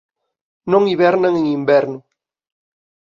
Non hibernan en inverno.